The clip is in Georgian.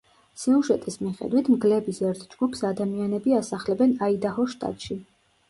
სიუჟეტის მიხედვით, მგლების ერთ ჯგუფს ადამიანები ასახლებენ აიდაჰოს შტატში.